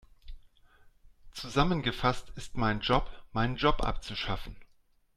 Zusammengefasst ist mein Job, meinen Job abzuschaffen.